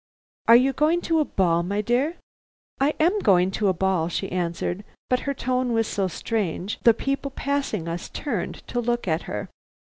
Are you going to a ball, my dear?" "I am going to a ball," she answered; but her tone was so strange the people passing us turned to look at her.